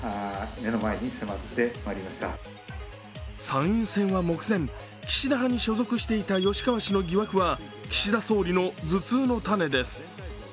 参院選は目前、岸田派に所属していた吉川氏の疑惑は岸田総理の頭痛のタネです。